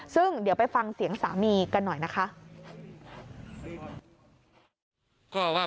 ซึ่งเดี๋ยวไปฟังเสียงสามีกันหน่อยนะคะ